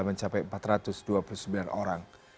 mencapai empat ratus dua puluh sembilan orang